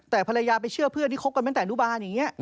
แต่ภรรยาไปเชื่อเพื่อนที่คบกันตั้งแต่อนุบาลอย่างนี้